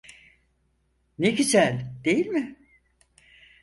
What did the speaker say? Ne güzel, değil mi?